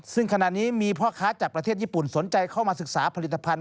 ซึ่งขณะนี้มีพ่อค้าจากประเทศญี่ปุ่นสนใจเข้ามาศึกษาผลิตภัณฑ